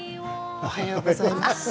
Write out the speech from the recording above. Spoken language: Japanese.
おはようございます。